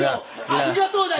ありがとうだよ！